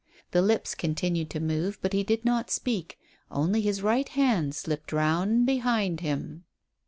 The lips continued to move, but he did not speak; only his right hand slipped round behind him.